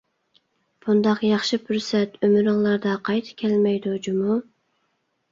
بۇنداق ياخشى پۇرسەت ئۆمرۈڭلاردا قايتا كەلمەيدۇ جۇمۇ!